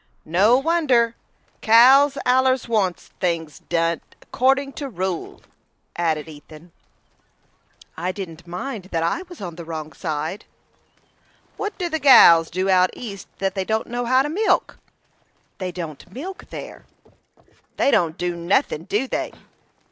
"No wonder; cows allers wants things did accordin' to rule," added Ethan. "I didn't mind that I was on the wrong side." "What do the gals do out east that they don't know how to milk?" "They don't milk there." "They don't do nothin' do they?"